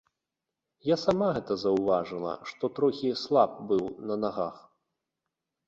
Я сама гэта заўважыла, што трохі слаб быў на нагах.